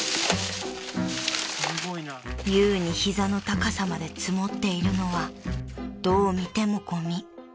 ［優に膝の高さまで積もっているのはどう見てもゴミ］